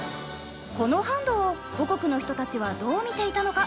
このハンドを母国の人たちはどう見ていたのか？